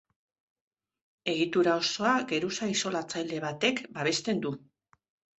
Egitura osoa geruza isolatzaile batek babesten du.